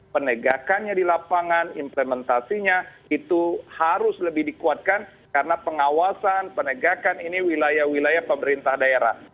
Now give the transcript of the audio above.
penegakannya di lapangan implementasinya itu harus lebih dikuatkan karena pengawasan penegakan ini wilayah wilayah pemerintah daerah